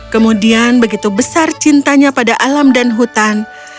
kemudian begitu besar cintanya pada alam dan hutan